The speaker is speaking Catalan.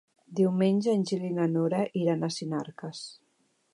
Diumenge en Gil i na Nora iran a Sinarques.